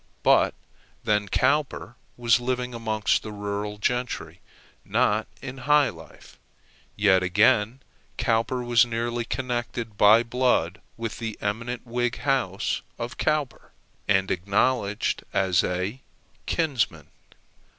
But then Cowper was living amongst the rural gentry, not in high life; yet, again, Cowper was nearly connected by blood with the eminent Whig house of Cowper, and acknowledged as a kinsman.